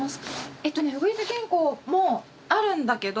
えとねウグイス原稿もあるんだけど。